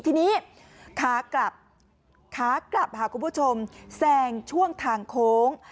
ทีนี้ขากลับขากลับค่ะคุณผู้ชมแซงช่วงทางโค้ง